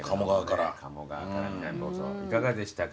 いかがでしたか？